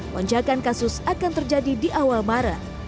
lonjakan kasus akan terjadi di awal maret